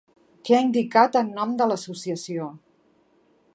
Què ha indicat en nom de l'associació?